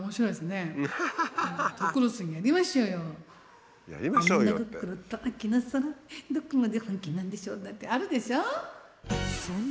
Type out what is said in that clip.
「女心と秋の空どこまで本気なんでしょう」なんてあるでしょ？